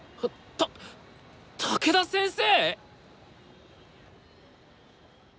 た武田先生！？